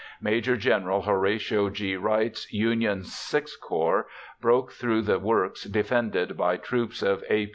Maj. Gen. Horatio G. Wright's Union VI Corps broke through the works defended by troops of A.